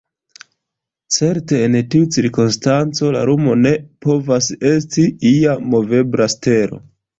Certe en tiu cirkonstanco la lumo ne povas esti ia movebla stelo.